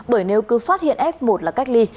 bởi nếu cứ phát hiện f một là cách ly